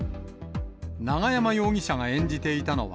永山容疑者が演じていたのは、